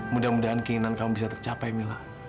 mudah mudahan keinginan kamu bisa tercapai mila